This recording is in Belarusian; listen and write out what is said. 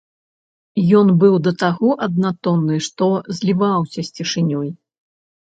Ён быў да таго аднатонны, што зліваўся з цішынёю.